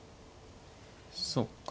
そっか。